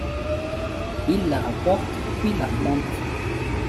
Il la rapporte puis la plante.